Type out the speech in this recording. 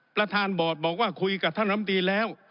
ประธานบอร์ดบอกว่าคุยกับท่านลำตีแล้ว